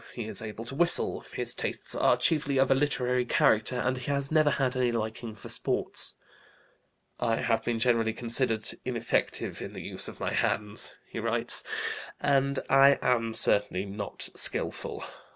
He is able to whistle. His tastes are chiefly of a literary character, and he has never had any liking for sports. "I have been generally considered ineffective in the use of my hands," he writes, "and I am certainly not skillful.